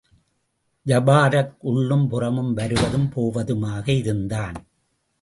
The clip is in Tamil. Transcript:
ஜபாரக் உள்ளும் புறமும் வருவதும் போவதுமாக இருந்தான்.